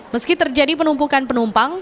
meski terjadi penumpukan penumpang